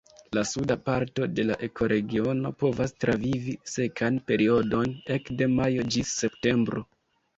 La suda parto de la ekoregiono povas travivi sekan periodon ekde majo ĝis septembro.